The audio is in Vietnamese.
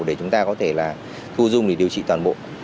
để chúng ta có thể là thu dung để điều trị toàn bộ